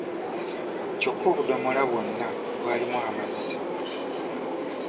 Kyokka obudomola bwonna bwalimu amazzi.